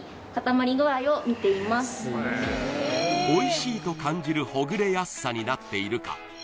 おいしいと感じるほぐれやすさになっているか